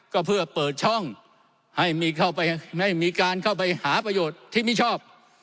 ก็เพื่อเปิดช่องให้มีการเข้าไปหาประโยชน์ที่มิชอบ